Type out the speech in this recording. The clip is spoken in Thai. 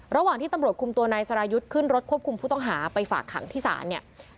ระหว่างที่ตำรวจคุมตัวนายสรายุทธ์ขึ้นรถควบคุมผู้ต้องหาไปฝากขังที่ศาลเนี่ย